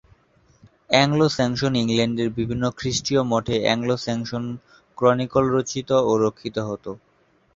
Anglo-Saxon ইংল্যান্ডের বিভিন্ন খ্রিস্টীয় মঠে "অ্যাংলো-স্যাক্সন ক্রনিকল" রচিত ও রক্ষিত হত।